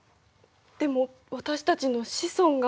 でも私たちの子孫が。